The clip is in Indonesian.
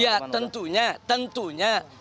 ya tentunya tentunya